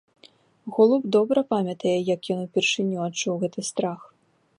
Голуб добра памятае, як ён упершыню адчуў гэты страх.